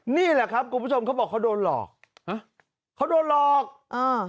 นี่แหละครับคุณผู้ชมเขาบอกเขาโดนหลอกฮะเขาโดนหลอกอ่า